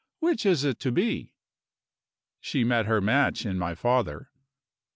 Which is it to be?" She met her match in my father.